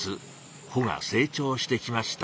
穂が成長してきました。